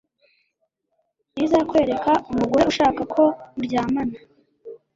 ibizakwereka umugore ushaka ko muryamana